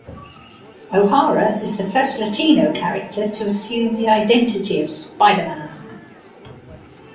O'Hara is the first Latino character to assume the identity of Spider-Man.